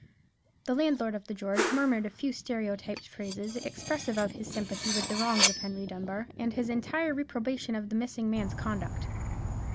The landlord of the George murmured a few stereotyped phrases, expressive of his sympathy with the wrongs of Henry Dunbar, and his entire reprobation of the missing man's conduct.